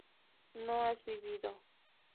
no has vivido